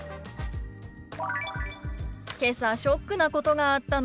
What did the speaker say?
「けさショックなことがあったの」。